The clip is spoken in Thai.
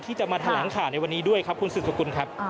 ที่จะมาแถลงข่าวในวันนี้ด้วยครับคุณสุดสกุลครับ